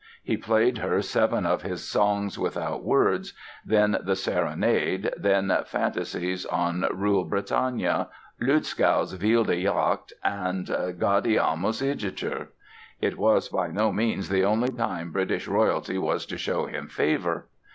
He played her seven of his "Songs Without Words", then the "Serenade", then Fantasies on "Rule Brittania", "Lützows Wilde Jagd" and "Gaudeamus Igitur". It was by no means the only time British royalty was to show him favor.